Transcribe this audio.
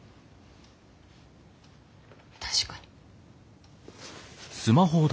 確かに。